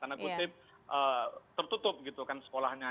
karena kutip tertutup gitu kan sekolahnya